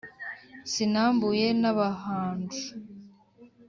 Sinambuye n'abahanju